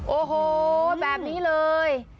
โอ้โหแบบนี้เลย